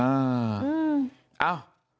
เอ้า